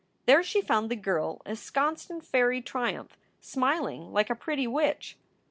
There she found the girl ensconced in fairy triumph, smiling like a pretty witch.